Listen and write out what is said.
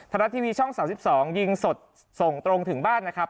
รัฐทีวีช่อง๓๒ยิงสดส่งตรงถึงบ้านนะครับ